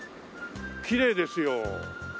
きれいですよ。